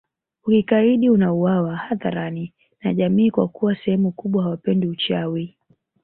Ukikaidi unauwawa hadharani na jamii kwa kuwa sehemu kubwa hawapendi uchawi